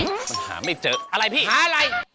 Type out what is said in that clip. มันหาไม่เจออะไรพี่หาอะไร